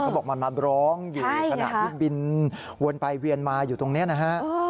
บอกมันมาร้องอยู่ขณะที่บินวนไปเวียนมาอยู่ตรงนี้นะฮะ